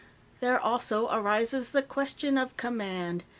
"There also arises the question of command.